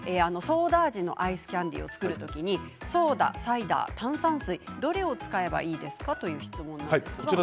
ソーダ味のアイスキャンディーを作る時にソーダ、サイダー炭酸水どれを使えばいいですか？